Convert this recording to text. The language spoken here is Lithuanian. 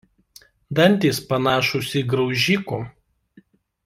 Dantys panašūs į graužikų.